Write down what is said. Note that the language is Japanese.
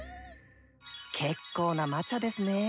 けっこうな魔茶ですね。